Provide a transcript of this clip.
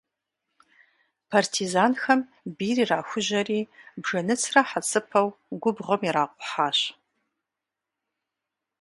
Партизанхэм бийр ирахужьэри, бжэныцрэ хьэцыпэу губгъуэм иракъухьащ.